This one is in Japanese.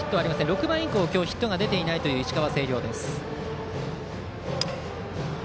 ６番以降、ヒットが出ていない石川・星稜です。